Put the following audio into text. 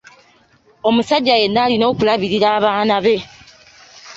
Omusajja yenna alina okulabirira abaana be.